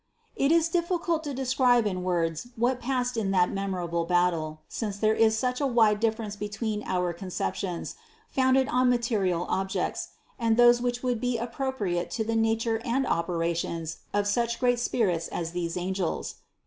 109. It is difficult to describe in words what passed in that memorable battle, since there is such a wide dif ference between our conceptions, founded on material objects, and those which would be appropriate to the nature and operations of such great spirits as these angels.